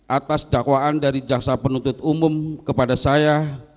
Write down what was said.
atas dakwaan dari jaksa penuntut umum kepada saya